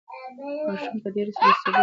ماشوم په ډېرې بې صبرۍ سره انتظار کاوه.